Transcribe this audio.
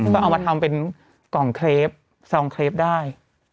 ก็เอามาทำเป็นกล่องเคลปซองเครปได้